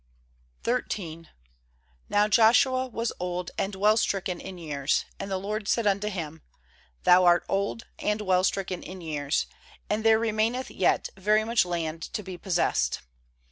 1 O Now Joshua was old and well stricken in years; and the LORD said unto him: 'Thou art old and well stricken in years, and there re maineth yet very much land to be possessed.